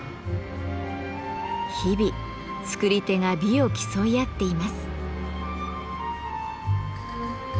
日々作り手が美を競い合っています。